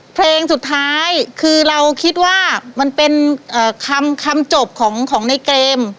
เพลงสุดท้ายคือเราคิดว่ามันเป็นคำจบของในเกม